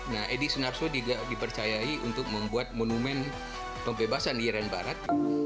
nah edi senarso juga dipercayai untuk membuat monumen pembebasan irian barat